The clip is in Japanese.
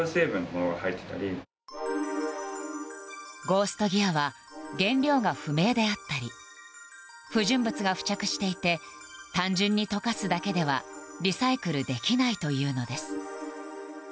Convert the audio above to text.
ゴースト・ギアは原料が不明であったり不純物が付着していて単純に溶かすだけではリサイクルできないというのです。